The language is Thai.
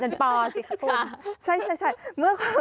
คุณจะต่อสิคะ